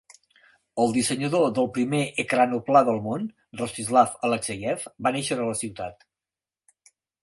El dissenyador del primer ekranoplà del món, Rostislav Alexeiev, va néixer a la ciutat.